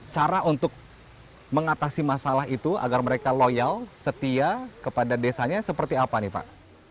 cara untuk mengatasi masalah itu agar mereka loyal setia kepada desanya seperti apa nih pak